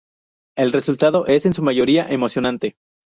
El resultado es, en su mayoría, emocionante".